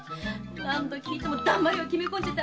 何度聞いてもだんまりを決めこんじゃって。